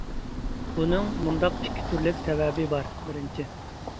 بۇنىڭ مۇنداق ئىككى تۈرلۈك سەۋەبى بار : بىرىنچى.